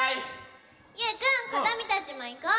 ゆうくんことみたちもいこう！